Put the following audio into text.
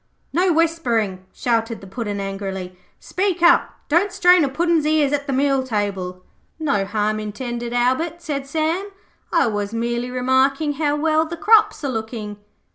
'No whispering,' shouted the Puddin' angrily. 'Speak up. Don't strain a Puddin's ears at the meal table.' 'No harm intended, Albert,' said Sam, 'I was merely remarking how well the crops are looking.